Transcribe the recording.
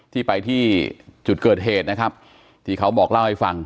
ที่ไปที่จุดเกิดเหตุนะครับที่เขาบอกเล่าให้ฟัง